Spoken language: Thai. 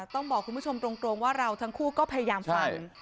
ต้องบอกคุณผู้ชมตรงว่าเราทั้งคู่ก็พยายามฟัง